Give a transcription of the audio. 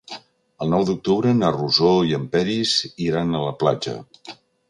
El nou d'octubre na Rosó i en Peris iran a la platja.